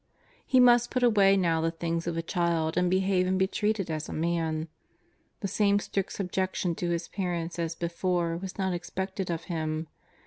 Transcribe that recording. He must put away now the things of a child and behave and be treated as a man. The same strict subjection to his parents as before was not expected of him.